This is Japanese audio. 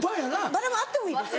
バラもあってもいいんです。